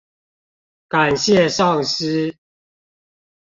感謝上師！